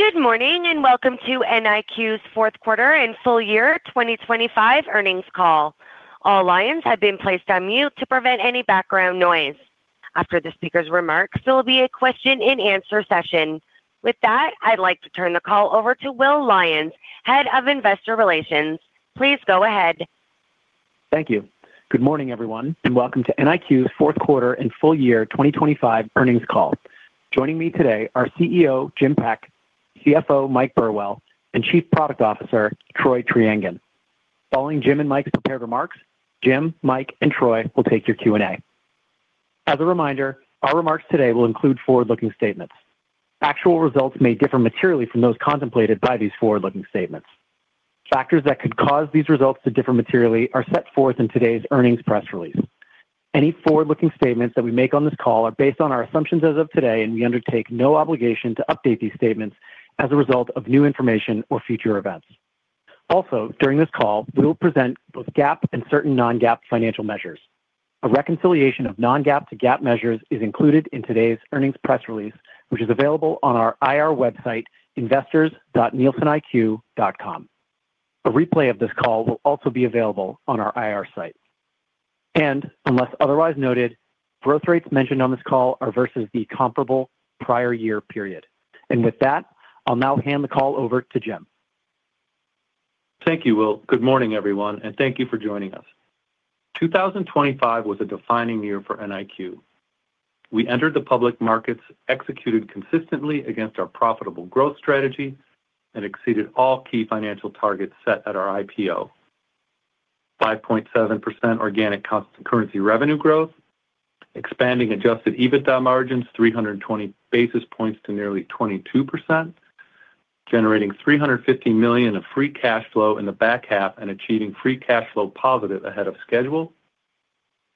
Good morning, welcome to NIQ's fourth quarter and full year 2025 earnings call. All lines have been placed on mute to prevent any background noise. After the speaker's remarks, there will be a question-and-answer session. With that, I'd like to turn the call over to Will Lyons, Head of Investor Relations. Please go ahead. Thank you. Good morning, everyone, and welcome to NIQ's fourth quarter and full year 2025 earnings call. Joining me today are CEO, Jim Peck, CFO, Mike Burwell, and Chief Product Officer, Troy Treangen. Following Jim and Mike's prepared remarks, Jim, Mike, and Troy will take your Q&A. As a reminder, our remarks today will include forward-looking statements. Actual results may differ materially from those contemplated by these forward-looking statements. Factors that could cause these results to differ materially are set forth in today's earnings press release. Any forward-looking statements that we make on this call are based on our assumptions as of today. We undertake no obligation to update these statements as a result of new information or future events. Also, during this call, we will present both GAAP and certain non-GAAP financial measures. A reconciliation of non-GAAP to GAAP measures is included in today's earnings press release, which is available on our IR website, investors.nielseniq.com. A replay of this call will also be available on our IR site. Unless otherwise noted, growth rates mentioned on this call are versus the comparable prior year period. With that, I'll now hand the call over to Jim. Thank you, Will. Good morning, everyone, and thank you for joining us. 2025 was a defining year for NIQ. We entered the public markets, executed consistently against our profitable growth strategy, and exceeded all key financial targets set at our IPO. 5.7% organic constant currency revenue growth, expanding adjusted EBITDA margins, 320 basis points to nearly 22%, generating $350 million of free cash flow in the back half and achieving free cash flow positive ahead of schedule,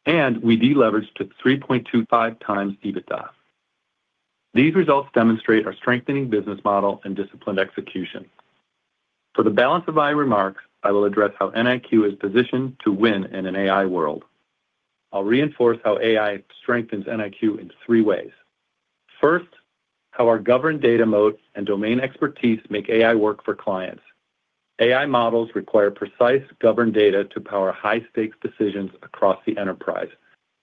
and we deleveraged to 3.25x EBITDA. These results demonstrate our strengthening business model and disciplined execution. For the balance of my remarks, I will address how NIQ is positioned to win in an AI world. I'll reinforce how AI strengthens NIQ in three ways. First, how our governed data moat and domain expertise make AI work for clients. AI models require precise, governed data to power high-stakes decisions across the enterprise,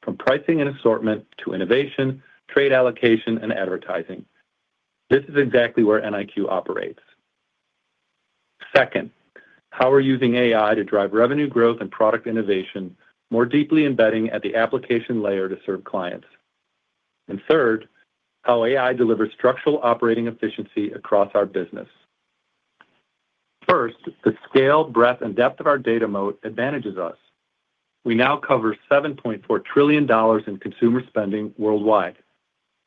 from pricing and assortment to innovation, trade allocation, and advertising. This is exactly where NIQ operates. Second, how we're using AI to drive revenue growth and product innovation, more deeply embedding at the application layer to serve clients. Third, how AI delivers structural operating efficiency across our business. First, the scale, breadth, and depth of our data moat advantages us. We now cover $7.4 trillion in consumer spending worldwide.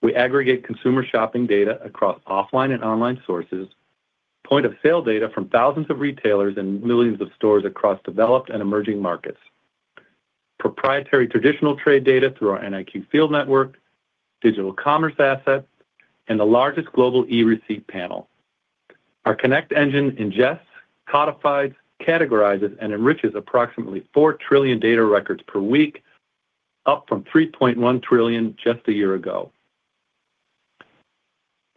We aggregate consumer shopping data across offline and online sources, point-of-sale data from thousands of retailers and millions of stores across developed and emerging markets, proprietary traditional trade data through our NIQ field network, digital commerce assets, and the largest global e-receipt panel. Our Connect engine ingests, codifies, categorizes, and enriches approximately 4 trillion data records per week, up from 3.1 trillion just a year ago.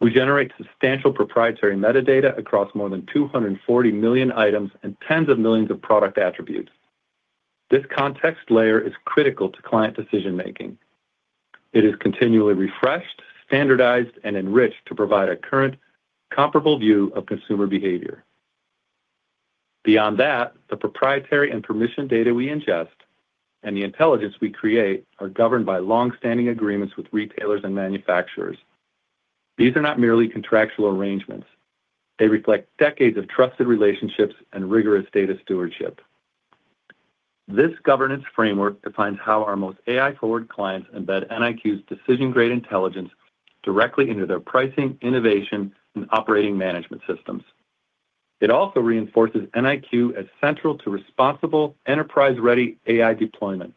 We generate substantial proprietary metadata across more than 240 million items and tens of millions of product attributes. This context layer is critical to client decision-making. It is continually refreshed, standardized, and enriched to provide a current, comparable view of consumer behavior. Beyond that, the proprietary and permission data we ingest and the intelligence we create are governed by long-standing agreements with retailers and manufacturers. These are not merely contractual arrangements. They reflect decades of trusted relationships and rigorous data stewardship. This governance framework defines how our most AI-forward clients embed NIQ's decision-grade intelligence directly into their pricing, innovation, and operating management systems. It also reinforces NIQ as central to responsible, enterprise-ready AI deployment.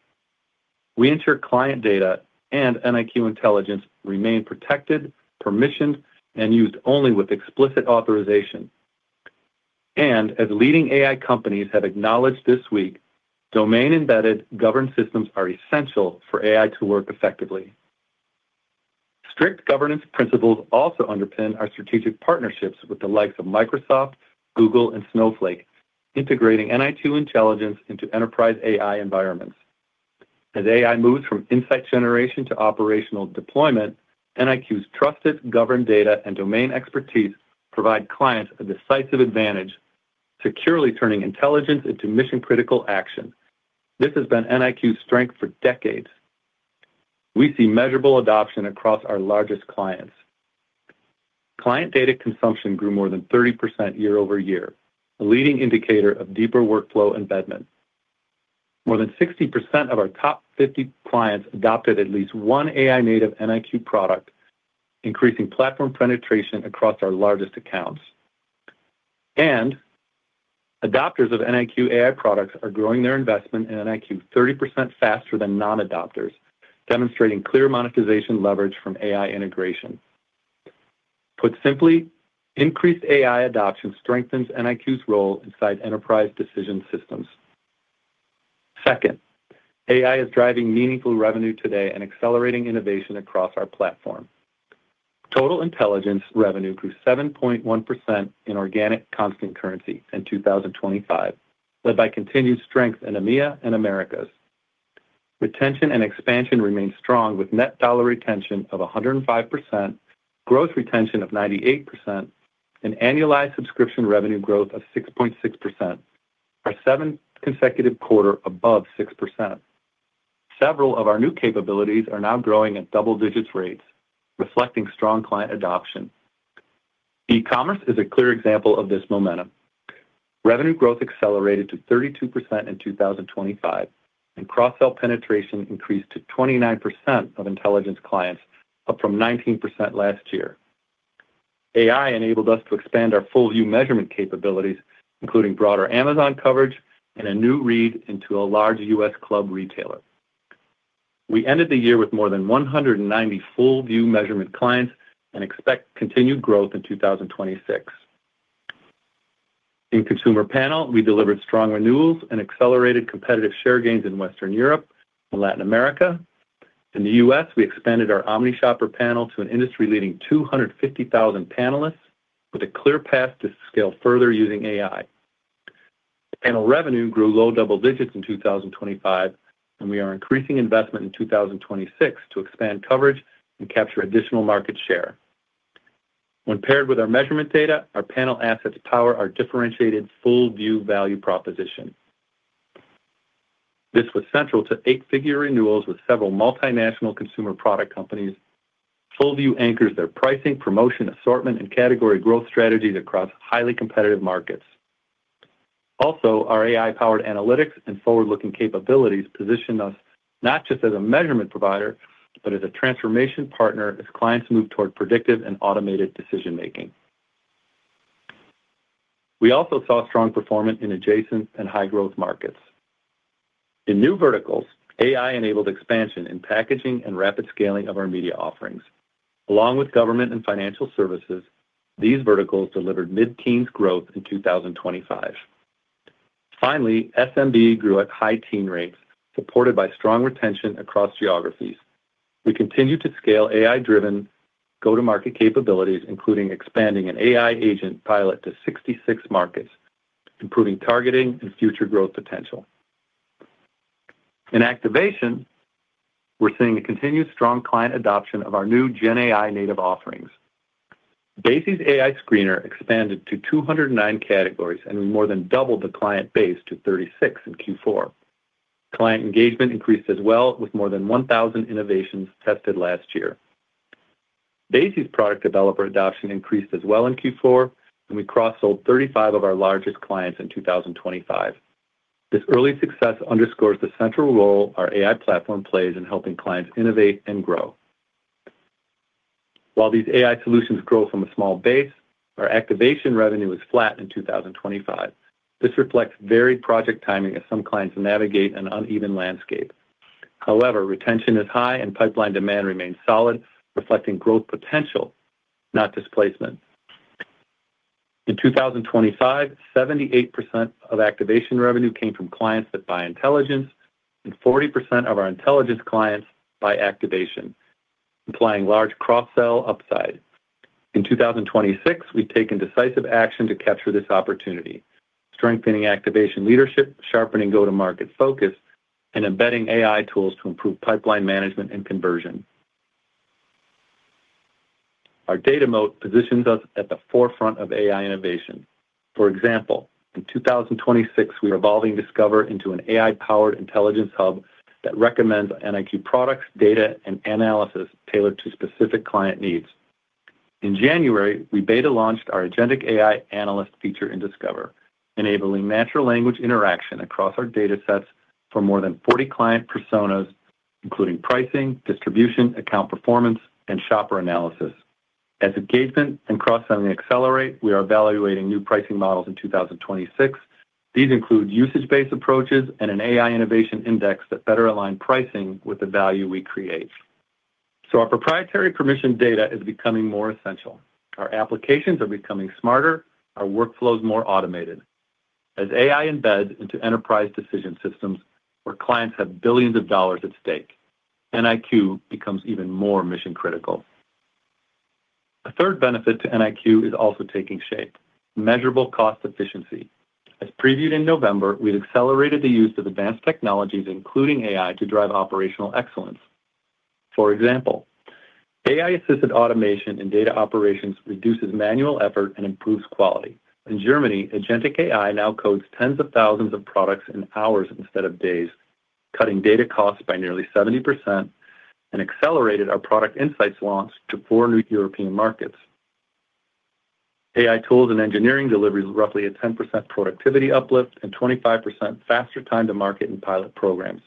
We ensure client data and NIQ intelligence remain protected, permissioned, and used only with explicit authorization. As leading AI companies have acknowledged this week, domain-embedded governed systems are essential for AI to work effectively. Strict governance principles also underpin our strategic partnerships with the likes of Microsoft, Google, and Snowflake, integrating NIQ intelligence into enterprise AI environments. As AI moves from insight generation to operational deployment, NIQ's trusted, governed data and domain expertise provide clients a decisive advantage, securely turning intelligence into mission-critical action. This has been NIQ's strength for decades. We see measurable adoption across our largest clients. Client data consumption grew more than 30% year-over-year, a leading indicator of deeper workflow embedment. More than 60% of our top 50 clients adopted at least one AI-native NIQ product, increasing platform penetration across our largest accounts. Adopters of NIQ AI products are growing their investment in NIQ 30% faster than non-adopters, demonstrating clear monetization leverage from AI integration. Put simply, increased AI adoption strengthens NIQ's role inside enterprise decision systems. Second, AI is driving meaningful revenue today and accelerating innovation across our platform. Total intelligence revenue grew 7.1% in organic constant currency in 2025, led by continued strength in EMEA and Americas. Retention and expansion remained strong, with Net Dollar Retention of 105%, Gross Dollar Retention of 98%, and Annualized Subscription revenue growth of 6.6%, our seventh consecutive quarter above 6%. Several of our new capabilities are now growing at double-digit rates, reflecting strong client adoption. E-commerce is a clear example of this momentum. Revenue growth accelerated to 32% in 2025. Cross-sell penetration increased to 29% of intelligence clients, up from 19% last year. AI enabled us to expand our Full View Measurement capabilities, including broader Amazon coverage and a new read into a large U.S. club retailer. We ended the year with more than 190 Full View Measurement clients and expect continued growth in 2026. In consumer panel, we delivered strong renewals and accelerated competitive share gains in Western Europe and Latin America. In the U.S., we expanded our Omnishopper panel to an industry-leading 250,000 panelists with a clear path to scale further using AI. Panel revenue grew low double digits in 2025. We are increasing investment in 2026 to expand coverage and capture additional market share. When paired with our measurement data, our panel assets power our differentiated Full View value proposition. This was central to eight-figure renewals with several multinational consumer product companies. Full View anchors their pricing, promotion, assortment, and category growth strategies across highly competitive markets. Our AI-powered analytics and forward-looking capabilities position us not just as a measurement provider, but as a transformation partner as clients move toward predictive and automated decision-making. We also saw strong performance in adjacent and high-growth markets. In new verticals, AI enabled expansion in packaging and rapid scaling of our media offerings. Along with government and financial services, these verticals delivered mid-teen growth in 2025. Finally, SMB grew at high-teen rates, supported by strong retention across geographies. We continue to scale AI-driven go-to-market capabilities, including expanding an AI agent pilot to 66 markets, improving targeting and future growth potential. In activation, we're seeing a continued strong client adoption of our new Gen AI native offerings. BASES AI Screener expanded to 209 categories, and we more than doubled the client base to 36 in Q4. Client engagement increased as well, with more than 1,000 innovations tested last year. Daisy's product developer adoption increased as well in Q4, and we cross-sold 35 of our largest clients in 2025. This early success underscores the central role our AI platform plays in helping clients innovate and grow. While these AI solutions grow from a small base, our activation revenue is flat in 2025. This reflects varied project timing as some clients navigate an uneven landscape. However, retention is high and pipeline demand remains solid, reflecting growth potential, not displacement. In 2025, 78% of activation revenue came from clients that buy intelligence, and 40% of our intelligence clients buy activation, implying large cross-sell upside. In 2026, we've taken decisive action to capture this opportunity, strengthening activation leadership, sharpening go-to-market focus, and embedding AI tools to improve pipeline management and conversion. Our data moat positions us at the forefront of AI innovation. For example, in 2026, we are evolving NIQ Discover into an AI-powered intelligence hub that recommends NIQ products, data, and analysis tailored to specific client needs. In January, we beta launched our Agentic AI analyst feature in NIQ Discover, enabling natural language interaction across our datasets for more than 40 client personas, including pricing, distribution, account performance, and shopper analysis. As engagement and cross-selling accelerate, we are evaluating new pricing models in 2026. These include usage-based approaches and an AI innovation index that better align pricing with the value we create. Our proprietary permission data is becoming more essential. Our applications are becoming smarter, our workflows more automated. As AI embeds into enterprise decision systems, where clients have billions of dollars at stake, NIQ becomes even more mission-critical. A third benefit to NIQ is also taking shape: measurable cost efficiency. As previewed in November, we've accelerated the use of advanced technologies, including AI, to drive operational excellence. For example, AI-assisted automation in data operations reduces manual effort and improves quality. In Germany, Agentic AI now codes tens of thousands of products in hours instead of days, cutting data costs by nearly 70% and accelerated our product insights launch to four new European markets. AI tools and engineering deliveries roughly a 10% productivity uplift and 25% faster time to market in pilot programs,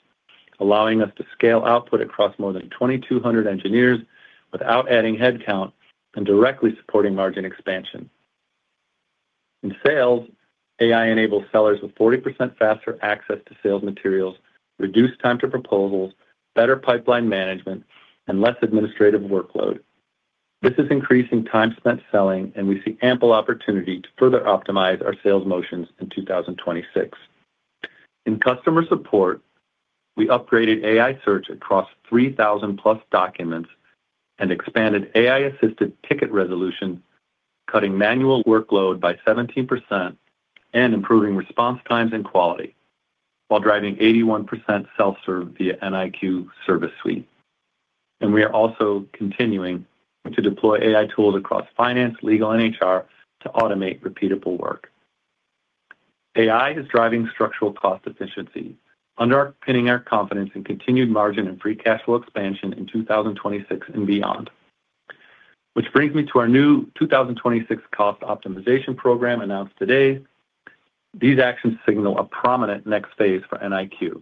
allowing us to scale output across more than 2,200 engineers without adding headcount and directly supporting margin expansion. In sales, AI enables sellers with 40% faster access to sales materials, reduced time to proposals, better pipeline management, and less administrative workload. This is increasing time spent selling, and we see ample opportunity to further optimize our sales motions in 2026. In customer support, we upgraded AI search across 3,000+ documents and expanded AI-assisted ticket resolution, cutting manual workload by 17% and improving response times and quality, while driving 81% self-serve via NIQ service suite. We are also continuing to deploy AI tools across finance, legal, and HR to automate repeatable work. AI is driving structural cost efficiency, underpinning our confidence in continued margin and free cash flow expansion in 2026 and beyond. Which brings me to our new 2026 cost optimization program announced today. These actions signal a prominent next phase for NIQ,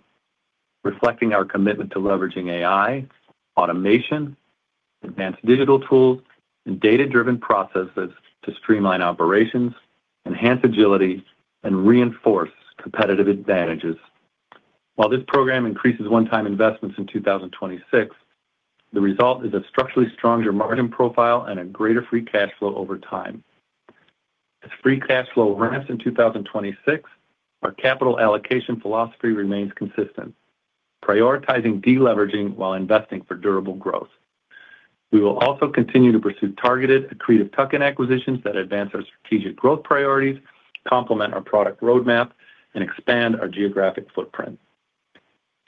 reflecting our commitment to leveraging AI, automation, advanced digital tools, and data-driven processes to streamline operations, enhance agility, and reinforce competitive advantages. While this program increases one-time investments in 2026, the result is a structurally stronger margin profile and a greater free cash flow over time. As free cash flow ramps in 2026, our capital allocation philosophy remains consistent, prioritizing deleveraging while investing for durable growth. We will also continue to pursue targeted, accretive tuck-in acquisitions that advance our strategic growth priorities, complement our product roadmap, and expand our geographic footprint.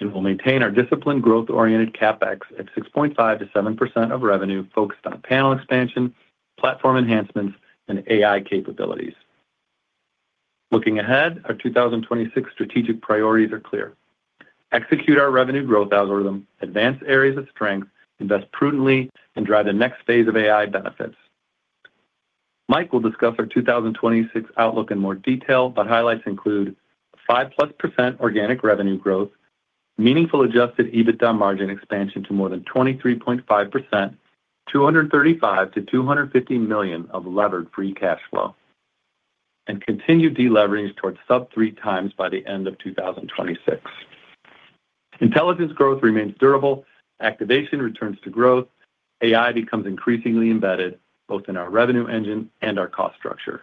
We'll maintain our disciplined growth-oriented CapEx at 6.5%-7% of revenue focused on panel expansion, platform enhancements, and AI capabilities. Looking ahead, our 2026 strategic priorities are clear: execute our revenue growth algorithm, advance areas of strength, invest prudently, and drive the next phase of AI benefits. Mike will discuss our 2026 outlook in more detail, but highlights include 5%+ organic revenue growth, meaningful adjusted EBITDA margin expansion to more than 23.5%, $235 million-$250 million of levered free cash flow, and continued deleveraging towards sub 3x by the end of 2026. Intelligence growth remains durable, activation returns to growth, AI becomes increasingly embedded both in our revenue engine and our cost structure.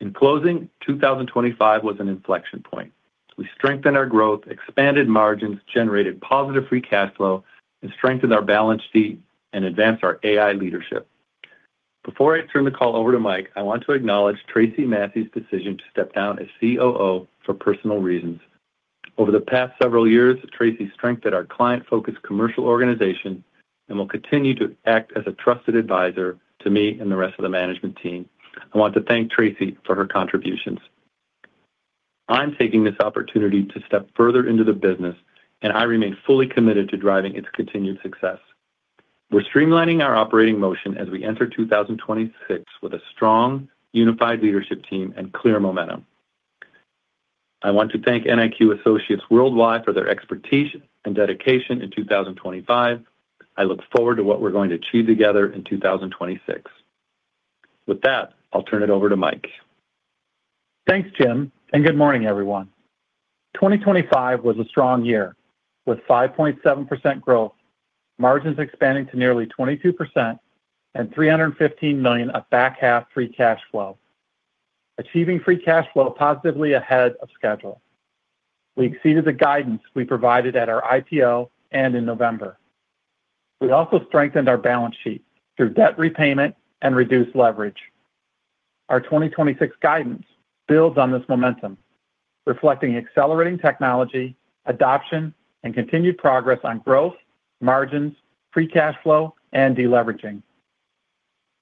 In closing, 2025 was an inflection point. We strengthened our growth, expanded margins, generated positive free cash flow, and strengthened our balance sheet and advanced our AI leadership. Before I turn the call over to Mike, I want to acknowledge Tracey Massey's decision to step down as COO for personal reasons. Over the past several years, Tracey strengthened our client-focused commercial organization and will continue to act as a trusted advisor to me and the rest of the management team. I want to thank Tracey for her contributions. I'm taking this opportunity to step further into the business, and I remain fully committed to driving its continued success. We're streamlining our operating motion as we enter 2026 with a strong, unified leadership team and clear momentum. I want to thank NIQ associates worldwide for their expertise and dedication in 2025. I look forward to what we're going to achieve together in 2026. With that, I'll turn it over to Mike. Thanks, Jim. Good morning, everyone. 2025 was a strong year, with 5.7% growth, margins expanding to nearly 22%, and $315 million of back-half free cash flow. Achieving free cash flow positive ahead of schedule. We exceeded the guidance we provided at our IPO and in November. We also strengthened our balance sheet through debt repayment and reduced leverage. Our 2026 guidance builds on this momentum, reflecting accelerating technology, adoption, and continued progress on growth, margins, free cash flow, and deleveraging.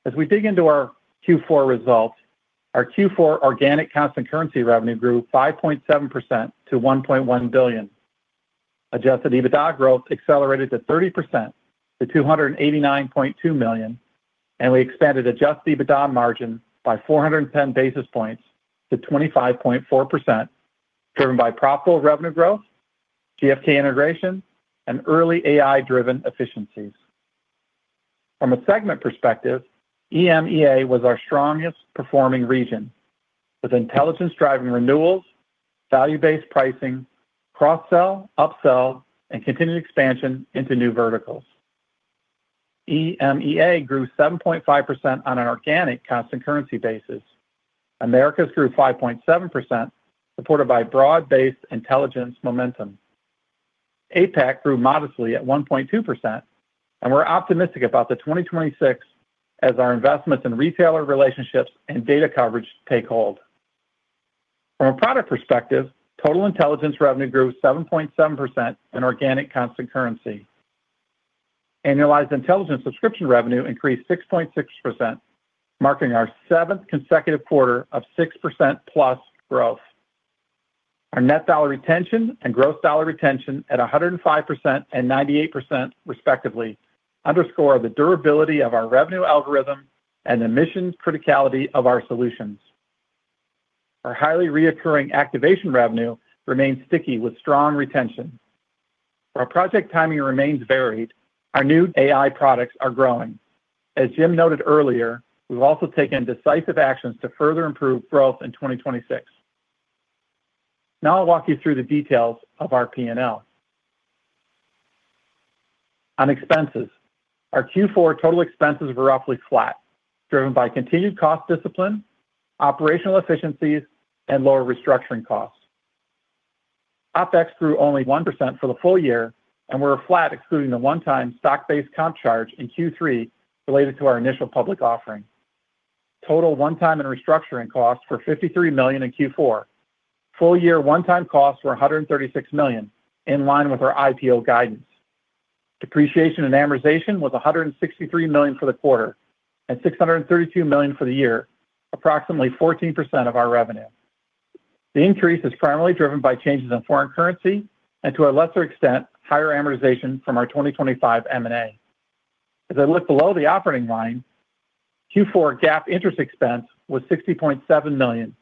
As we dig into our Q4 results, our Q4 organic constant currency revenue grew 5.7% to $1.1 billion. Adjusted EBITDA growth accelerated to 30% to $289.2 million. We expanded adjusted EBITDA margin by 410 basis points to 25.4%, driven by profitable revenue growth, GfK integration, and early AI-driven efficiencies. From a segment perspective, EMEA was our strongest performing region, with intelligence driving renewals, value-based pricing, cross-sell, upsell, and continued expansion into new verticals. EMEA grew 7.5% on an organic constant currency basis. Americas grew 5.7%, supported by broad-based intelligence momentum. APAC grew modestly at 1.2%. We're optimistic about the 2026 as our investments in retailer relationships and data coverage take hold. From a product perspective, total intelligence revenue grew 7.7% in organic constant currency. Annualized Intelligence Subscription revenue increased 6.6%, marking our seventh consecutive quarter of 6%+ growth. Our Net Dollar Retention and Gross Dollar Retention at 105% and 98% respectively, underscore the durability of our revenue algorithm and the mission criticality of our solutions. Our highly reoccurring activation revenue remains sticky with strong retention. While project timing remains varied, our new AI products are growing. As Jim noted earlier, we've also taken decisive actions to further improve growth in 2026. I'll walk you through the details of our P&L. On expenses, our Q4 total expenses were roughly flat, driven by continued cost discipline, operational efficiencies, and lower restructuring costs. OpEx grew only 1% for the full year, and we're flat excluding the one-time stock-based comp charge in Q3 related to our initial public offering. Total one-time and restructuring costs were $53 million in Q4. Full year one-time costs were $136 million, in line with our IPO guidance. Depreciation and amortization was $163 million for the quarter and $632 million for the year, approximately 14% of our revenue. The increase is primarily driven by changes in foreign currency and, to a lesser extent, higher amortization from our 2025 M&A. As I look below the operating line, Q4 GAAP interest expense was $60.7 million,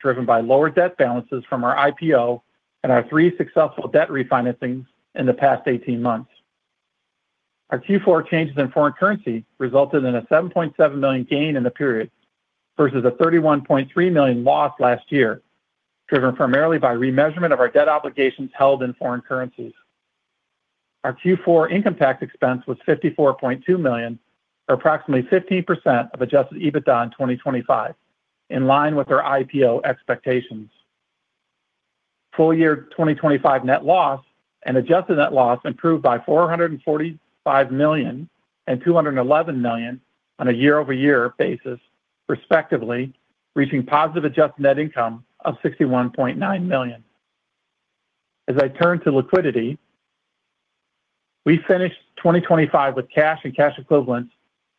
driven by lower debt balances from our IPO and our three successful debt refinancings in the past 18 months. Our Q4 changes in foreign currency resulted in a $7.7 million gain in the period, versus a $31.3 million loss last year, driven primarily by remeasurement of our debt obligations held in foreign currencies. Our Q4 income tax expense was $54.2 million, or approximately 15% of adjusted EBITDA in 2025, in line with our IPO expectations. Full year 2025 net loss and adjusted net loss improved by $445 million and $211 million on a year-over-year basis, respectively, reaching positive adjusted net income of $61.9 million. As I turn to liquidity, we finished 2025 with cash and cash equivalents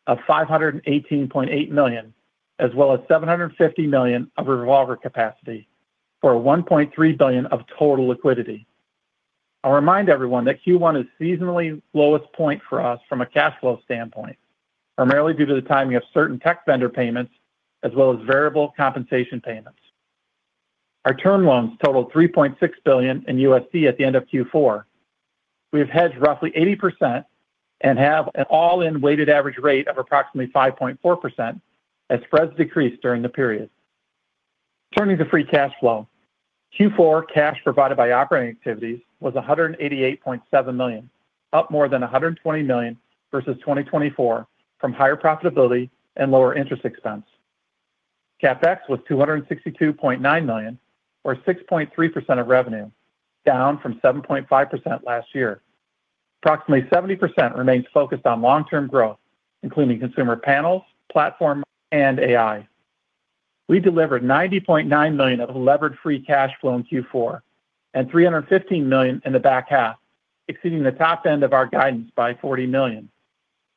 of $518.8 million, as well as $750 million of revolver capacity for a $1.3 billion of total liquidity. I'll remind everyone that Q1 is seasonally lowest point for us from a cash flow standpoint, primarily due to the timing of certain tech vendor payments as well as variable compensation payments. Our term loans totaled $3.6 billion in USD at the end of Q4. We have hedged roughly 80% and have an all-in weighted average rate of approximately 5.4%, as spreads decreased during the period. Turning to free cash flow. Q4 cash provided by operating activities was $188.7 million, up more than $120 million versus 2024 from higher profitability and lower interest expense. CapEx was $262.9 million, or 6.3% of revenue, down from 7.5% last year. Approximately 70% remains focused on long-term growth, including consumer panels, platform, and AI. We delivered $90.9 million of levered free cash flow in Q4 and $315 million in the back half, exceeding the top end of our guidance by $40 million,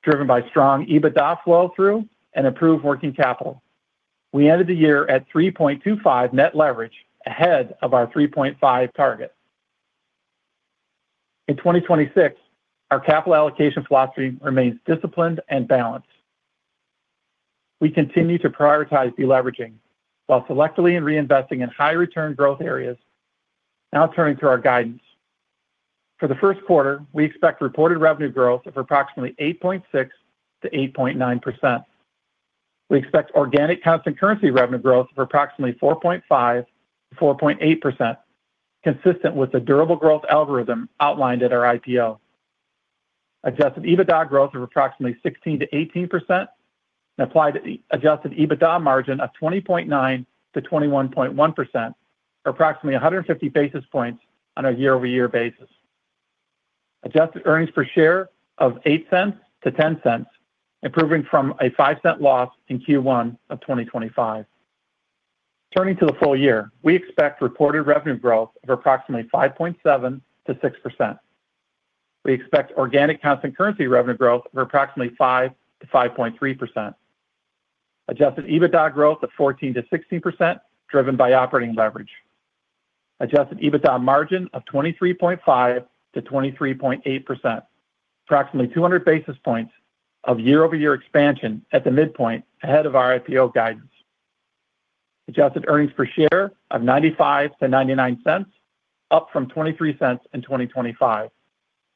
driven by strong EBITDA flow-through and improved working capital. We ended the year at 3.25 net leverage, ahead of our 3.5 target. In 2026, our capital allocation philosophy remains disciplined and balanced. We continue to prioritize deleveraging while selectively and reinvesting in high-return growth areas. Turning to our guidance. For the first quarter, we expect reported revenue growth of approximately 8.6%-8.9%. We expect organic constant currency revenue growth of approximately 4.5%-4.8%, consistent with the durable growth algorithm outlined at our IPO. Adjusted EBITDA growth of approximately 16%-18%, applied adjusted EBITDA margin of 20.9%-21.1%, or approximately 150 basis points on a year-over-year basis. Adjusted earnings per share of $0.08-$0.10, improving from a $0.05 loss in Q1 of 2025. Turning to the full year, we expect reported revenue growth of approximately 5.7%-6%. We expect organic constant currency revenue growth of approximately 5%-5.3%. Adjusted EBITDA growth of 14%-16%, driven by operating leverage. Adjusted EBITDA margin of 23.5%-23.8%, approximately 200 basis points of year-over-year expansion at the midpoint ahead of our IPO guidance. Adjusted earnings per share of $0.95-$0.99, up from $0.23 in 2025.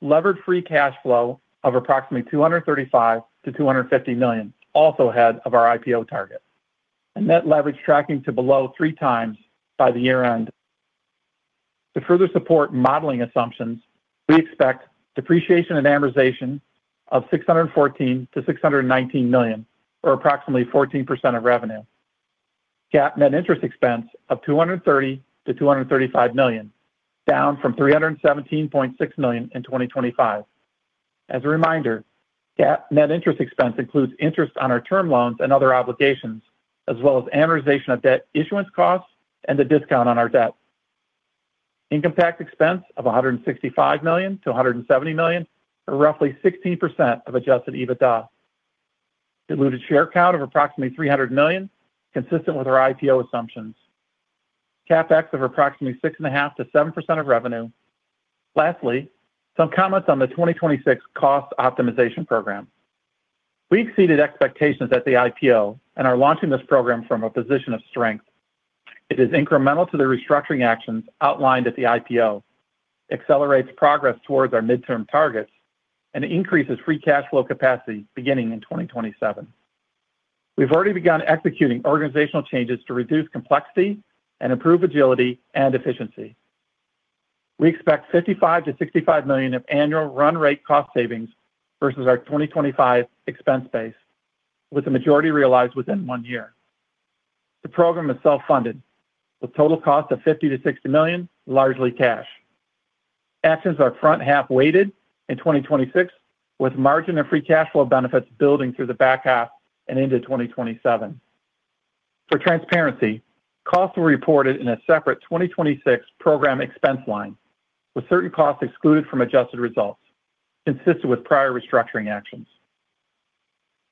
Levered free cash flow of approximately $235 million-$250 million, also ahead of our IPO target. Net leverage tracking to below 3x by the year-end. To further support modeling assumptions, we expect depreciation and amortization of $614 million-$619 million, or approximately 14% of revenue. GAAP net interest expense of $230 million-$235 million, down from $317.6 million in 2025. As a reminder, GAAP net interest expense includes interest on our term loans and other obligations, as well as amortization of debt issuance costs and the discount on our debt. Income tax expense of $165 million-$170 million, or roughly 16% of adjusted EBITDA. Diluted share count of approximately 300 million, consistent with our IPO assumptions. CapEx of approximately 6.5%-7% of revenue. Some comments on the 2026 cost optimization program. We exceeded expectations at the IPO and are launching this program from a position of strength. It is incremental to the restructuring actions outlined at the IPO, accelerates progress towards our midterm targets, and increases free cash flow capacity beginning in 2027. We've already begun executing organizational changes to reduce complexity and improve agility and efficiency. We expect $55 million-$65 million of annual run rate cost savings versus our 2025 expense base, with the majority realized within one year. The program is self-funded, with total cost of $50 million-$60 million, largely cash. Actions are front-half weighted in 2026, with margin and free cash flow benefits building through the back half and into 2027. For transparency, costs were reported in a separate 2026 program expense line, with certain costs excluded from adjusted results, consistent with prior restructuring actions.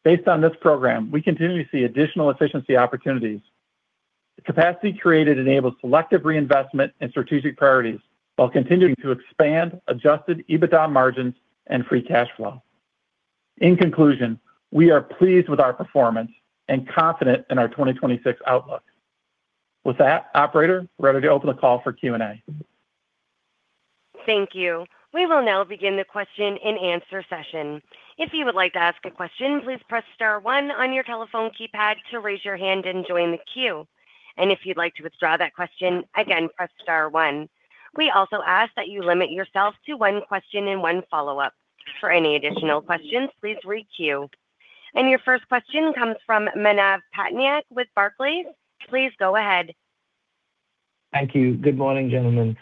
Based on this program, we continue to see additional efficiency opportunities. The capacity created enables selective reinvestment in strategic priorities, while continuing to expand adjusted EBITDA margins and free cash flow. In conclusion, we are pleased with our performance and confident in our 2026 outlook. With that, operator, we're ready to open the call for Q&A. Thank you. We will now begin the question-and-answer session. If you would like to ask a question, please press star one on your telephone keypad to raise your hand and join the queue, and if you'd like to withdraw that question, again, press star one. We also ask that you limit yourself to one question and one follow-up. For any additional questions, please re queue. Your first question comes from Manav Patnaik with Barclays. Please go ahead. Thank you. Good morning, gentlemen.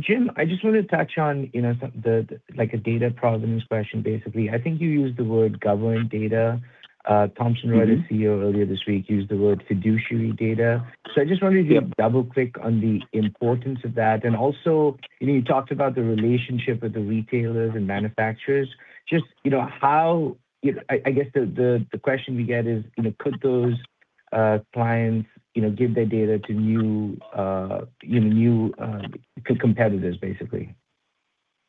Jim, I just wanted to touch on, you know, some, the, like, a data provenance question, basically. I think you used the word governed data. Thomson Reuters CEO earlier this week, used the word fiduciary data. I just wanted to get a double-click on the importance of that. Also, you know, you talked about the relationship with the retailers and manufacturers. Just, you know, I guess the question we get is, you know, could those clients, you know, give their data to new, you know, new competitors, basically?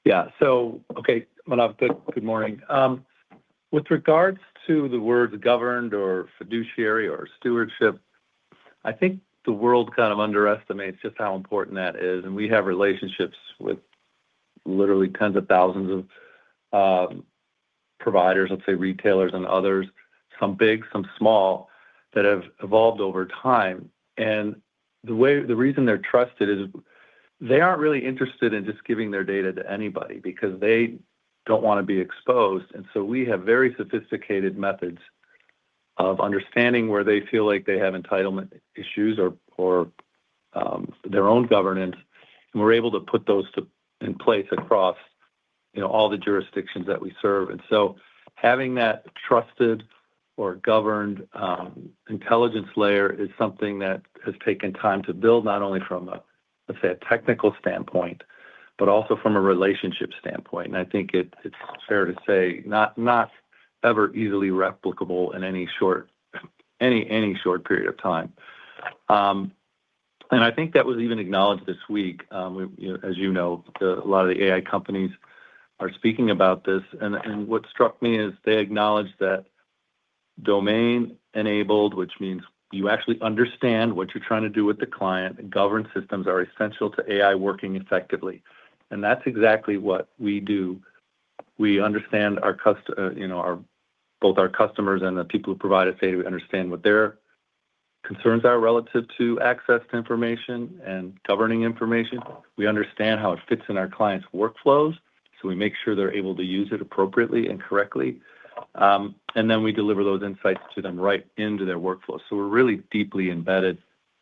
Yeah. Okay, Manav, good morning. With regards to the words governed or fiduciary or stewardship, I think the world kind of underestimates just how important that is. We have relationships with literally tens of thousands of providers, let's say, retailers and others, some big, some small, that have evolved over time. The reason they're trusted is they aren't really interested in just giving their data to anybody because they don't wanna be exposed. We have very sophisticated methods of understanding where they feel like they have entitlement issues or their own governance, and we're able to put those to, in place across, you know, all the jurisdictions that we serve. Having that trusted or governed intelligence layer is something that has taken time to build, not only from a, let's say, a technical standpoint, but also from a relationship standpoint. I think it's fair to say, not ever easily replicable in any short period of time. I think that was even acknowledged this week, you know, as you know, a lot of the AI companies are speaking about this, and what struck me is they acknowledge that domain-enabled, which means you actually understand what you're trying to do with the client, and governance systems are essential to AI working effectively. That's exactly what we do. We understand our, you know, both our customers and the people who provide us data. We understand what their concerns are relative to access to information and governing information. We understand how it fits in our clients' workflows, so we make sure they're able to use it appropriately and correctly. We deliver those insights to them right into their workflows. We're really deeply embedded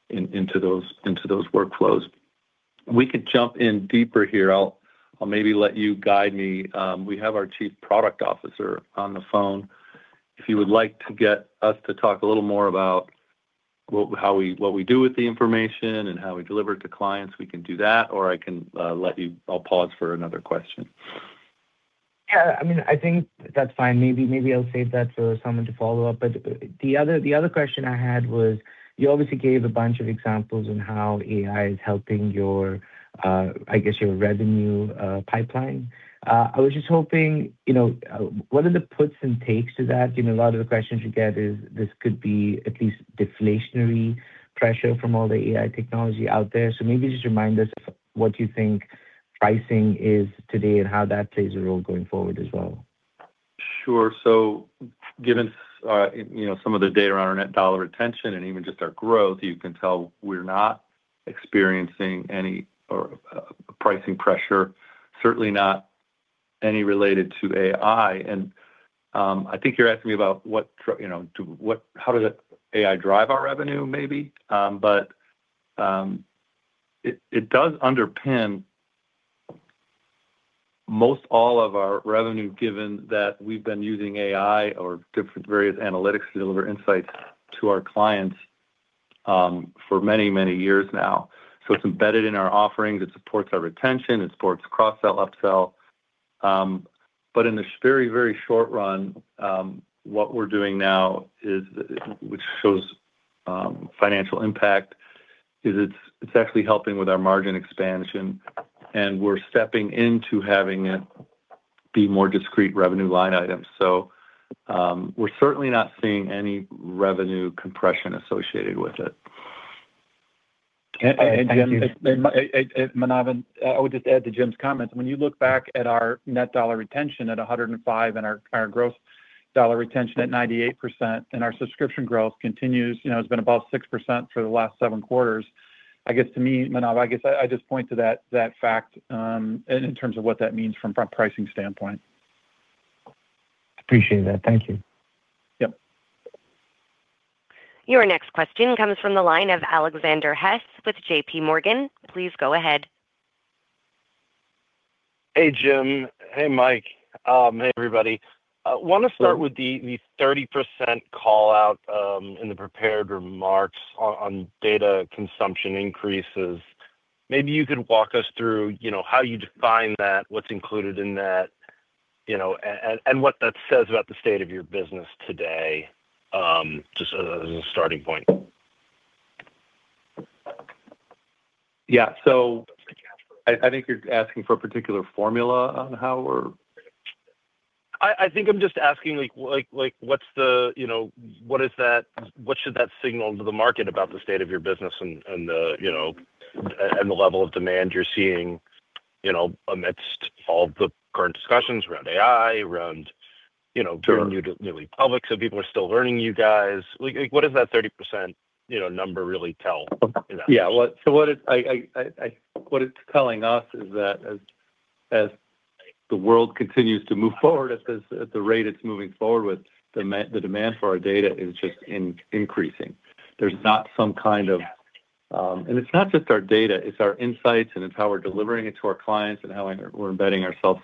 into those workflows. We could jump in deeper here. I'll maybe let you guide me. We have our Chief Product Officer on the phone. If you would like to get us to talk a little more about what, how we, what we do with the information and how we deliver it to clients, we can do that, or I can. I'll pause for another question. Yeah, I mean, I think that's fine. Maybe I'll save that for someone to follow up. The other question I had was, you obviously gave a bunch of examples on how AI is helping your, I guess, your revenue pipeline. I was just hoping, you know, what are the puts and takes to that? You know, a lot of the questions you get is this could be at least deflationary pressure from all the AI technology out there. Maybe just remind us of what you think pricing is today and how that plays a role going forward as well. Sure. Given, you know, some of the data around our Net Dollar Retention and even just our growth, you can tell we're not experiencing any pricing pressure, certainly not any related to AI. I think you're asking me about what, you know, how does that AI drive our revenue, maybe? But it does underpin most all of our revenue, given that we've been using AI or different various analytics to deliver insights to our clients for many, many years now. It's embedded in our offerings, it supports our retention, it supports cross-sell, upsell. But in the very, very short run, what we're doing now is, which shows financial impact, is it's actually helping with our margin expansion, and we're stepping into having it be more discrete revenue line items. We're certainly not seeing any revenue compression associated with it. Hey, Jim, Manav, I would just add to Jim's comments. When you look back at our Net Dollar Retention at 105, and our Gross Dollar Retention at 98%, and our subscription growth continues, you know, it's been above 6% for the last seven quarters. I guess to me, Manav, I just point to that fact in terms of what that means from a pricing standpoint. Appreciate that. Thank you. Yep. Your next question comes from the line of Alexander Hess with JPMorgan. Please go ahead. Hey, Jim. Hey, Mike. Hey, everybody. I wanna start with the 30% call-out in the prepared remarks on data consumption increases. Maybe you could walk us through, you know, how you define that, what's included in that, you know, and what that says about the state of your business today, just as a starting point? I think you're asking for a particular formula on how we're... I think I'm just asking, like, what's the, you know, what should that signal to the market about the state of your business and the, you know, and the level of demand you're seeing, you know, amidst all the current discussions around AI, around, you know? Sure. You're newly public, so people are still learning you guys. Like, what does that 30%, you know, number really tell in that? Yeah, well, what it's telling us is that as the world continues to move forward at the rate it's moving forward with, the demand for our data is just increasing. There's not some kind of. It's not just our data, it's our insights, and it's how we're delivering it to our clients, and how we're embedding ourselves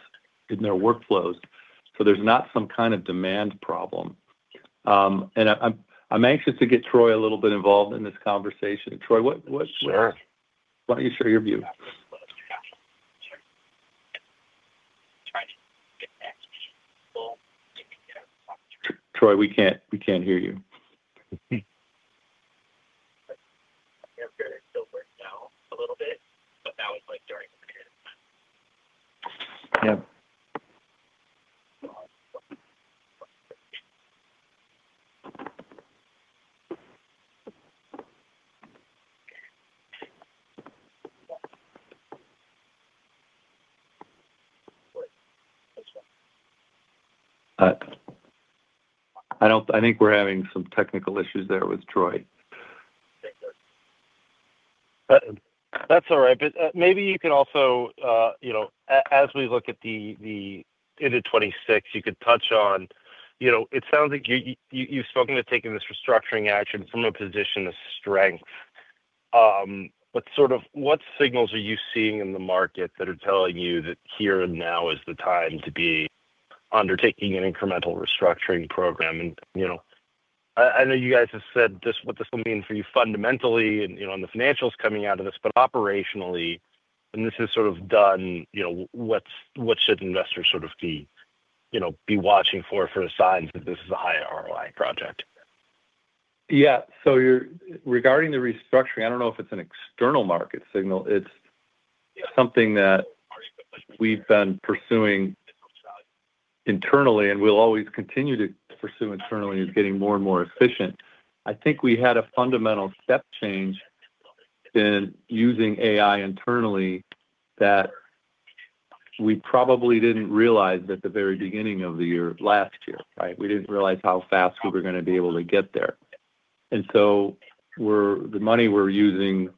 in their workflows. There's not some kind of demand problem. I'm anxious to get Troy a little bit involved in this conversation. Troy, what Sure. Why don't you share your view? Trying to get next. Troy, we can't hear you. Yeah, it still breaks down a little bit, but that was, like, during the period of time. Yeah. I think we're having some technical issues there with Troy. That's all right. Maybe you could also, you know, as we look at the end of 2026, you could touch on. You know, it sounds like you, you've spoken to taking this restructuring action from a position of strength. Sort of what signals are you seeing in the market that are telling you that here and now is the time to be undertaking an incremental restructuring program? You know, I know you guys have said this, what this will mean for you fundamentally and, you know, and the financials coming out of this, but operationally, and this is sort of done, you know, what should investors sort of be, you know, be watching for signs that this is a high ROI project? Regarding the restructuring, I don't know if it's an external market signal. It's something that we've been pursuing internally, and we'll always continue to pursue internally, is getting more and more efficient. I think we had a fundamental step change in using AI internally that we probably didn't realize at the very beginning of the year last year, right? We didn't realize how fast we were gonna be able to get there. The money we're using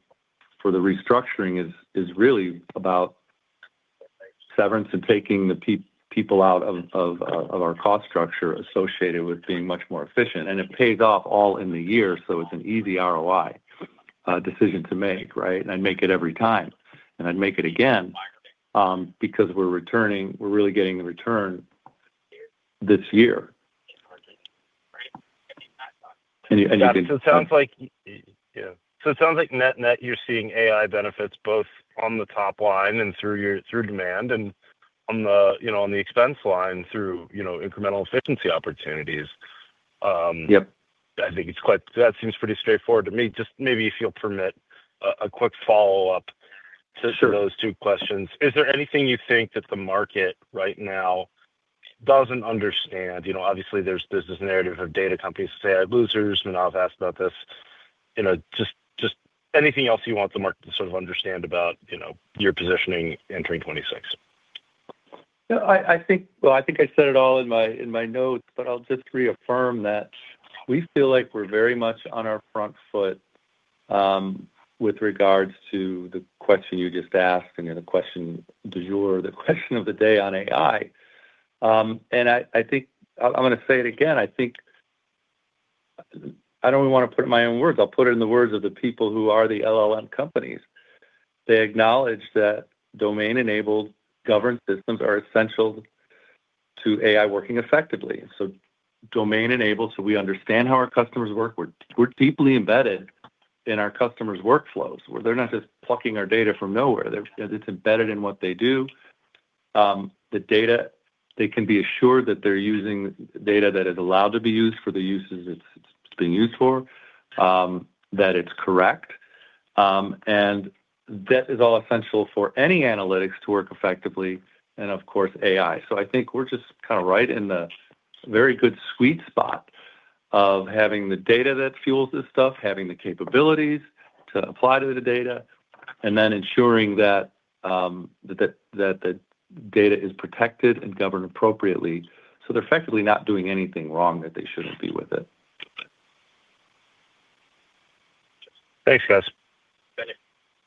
for the restructuring is really about severance and taking the people out of our cost structure associated with being much more efficient. It pays off all in the year, so it's an easy ROI decision to make, right? I'd make it every time, and I'd make it again, because we're returning, we're really getting the return this year. Yeah. It sounds like, yeah. It sounds like net, you're seeing AI benefits both on the top line and through demand, and on the, you know, on the expense line, through, you know, incremental efficiency opportunities. Yep. I think that seems pretty straightforward to me. Just maybe, if you'll permit a quick follow-up. Sure. - to those two questions. Is there anything you think that the market right now doesn't understand? You know, obviously, there's this narrative of data companies as AI losers, and I've asked about this. You know, just anything else you want the market to sort of understand about, you know, your positioning entering 2026. Yeah, I think... Well, I think I said it all in my, in my notes, but I'll just reaffirm that we feel like we're very much on our front foot, with regards to the question you just asked, and the question du jour, the question of the day on AI. I think, I'm gonna say it again, I think, I don't want to put it in my own words, I'll put it in the words of the people who are the LLM companies. They acknowledge that domain-enabled governance systems are essential to AI working effectively. domain-enabled, so we understand how our customers work. We're deeply embedded in our customers' workflows, where they're not just plucking our data from nowhere. It's embedded in what they do. The data, they can be assured that they're using data that is allowed to be used for the uses it's being used for, that it's correct. That is all essential for any analytics to work effectively and, of course, AI. I think we're just kind of right in the very good sweet spot of having the data that fuels this stuff, having the capabilities to apply to the data, and then ensuring that the data is protected and governed appropriately. They're effectively not doing anything wrong that they shouldn't be with it. Thanks, guys.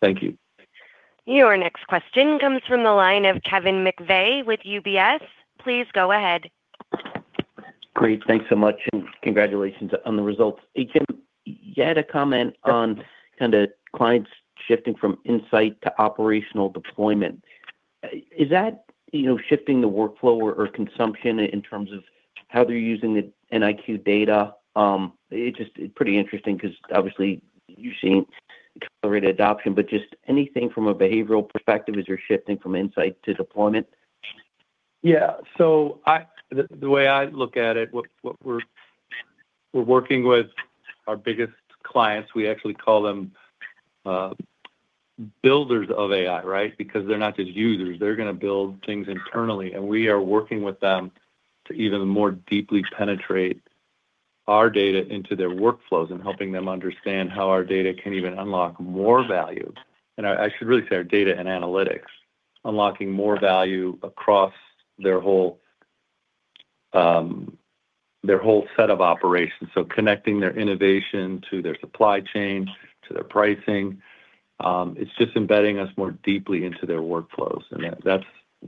Thank you. Your next question comes from the line of Kevin McVeigh with UBS. Please go ahead. Great, thanks so much, and congratulations on the results. Hey, Jim, you had a comment on kind of clients shifting from insight to operational deployment. Is that, you know, shifting the workflow or consumption in terms of how they're using the NIQ data? It's just, it's pretty interesting because obviously you've seen accelerated adoption, but just anything from a behavioral perspective as you're shifting from insight to deployment? Yeah. The way I look at it, we're working with our biggest clients, we actually call them builders of AI, right? Because they're not just users, they're gonna build things internally, and we are working with them to even more deeply penetrate our data into their workflows, and helping them understand how our data can even unlock more value. I should really say our data and analytics, unlocking more value across their whole, their whole set of operations. Connecting their innovation to their supply chain, to their pricing, it's just embedding us more deeply into their workflows.